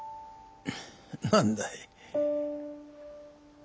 何だい？